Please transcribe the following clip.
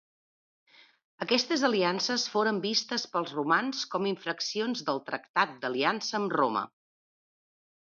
Aquestes aliances foren vistes pels romans com infraccions del tractat d'aliança amb Roma.